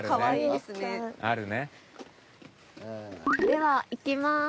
ではいきます。